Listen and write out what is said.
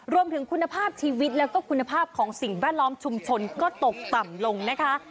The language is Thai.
รวมถึงคุณภาพชีวิตแล้วก็คุณภาพของสิ่งแวดล้อมชุมชนก็ตกต่ำลงนะคะ